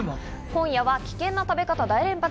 今夜は危険な食べ方、大連発。